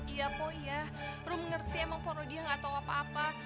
iya poh iya rom ngerti emang poro dia ga tau apa apa